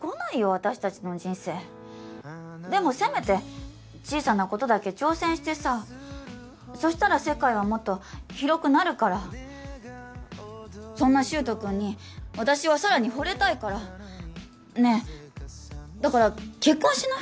私達の人生でもせめて小さなことだけ挑戦してさそしたら世界はもっと広くなるからそんな柊人君に私はさらにホレたいからねえだから結婚しない？